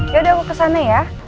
yaudah aku kesana ya